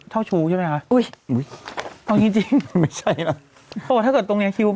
พี่มดทำคิ้ว